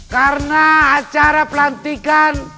karena acara pelantikan